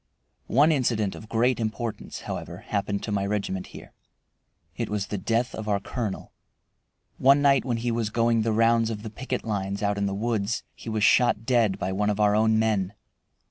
One incident of great importance, however, happened to my regiment here. It was the death of our colonel. One night when he was going the rounds of the picket lines out in the woods he was shot dead by one of our own men.